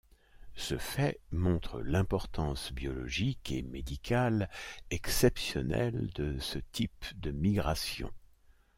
Ce fait montre l’importance biologique et médicale exceptionnelle de ce type de migration.